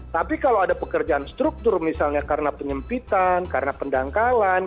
tapi kalau ada pekerjaan struktur misalnya karena penyempitan karena pendangkalan